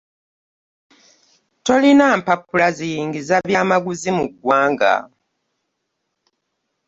Tolina mpapula ziyingiza byamaguzi mu ggwanga.